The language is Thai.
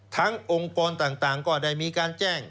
องค์กรต่างก็ได้มีการแจ้ง